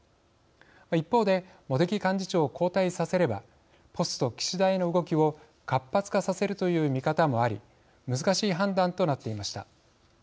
一方で茂木幹事長を交代させればポスト岸田への動きを活発化させるという見方もあり難しい判断となっていました。